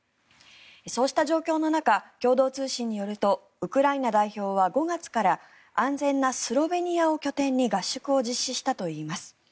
そうした状況の中共同通信によるとウクライナ代表は５月から安全なスロベニアを拠点に合宿を実施したといいます。